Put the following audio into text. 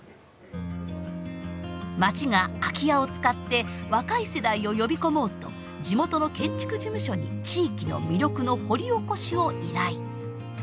町が空き家を使って若い世代を呼び込もうと地元の建築事務所に地域の魅力の掘り起こしを依頼。